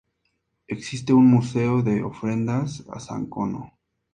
Existe un Museo de Ofrendas a San Cono.